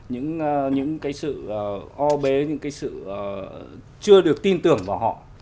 những cái sự o bế những cái sự chưa được tin tưởng vào họ